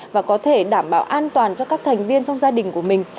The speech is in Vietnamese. và có thể đảm bảo an toàn cho các thành viên trong gia đình của mình